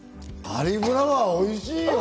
カリフラワー、おいしいよ。